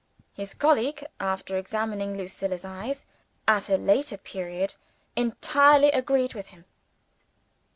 His colleague, after examining Lucilla's eyes, at a later period, entirely agreed with him.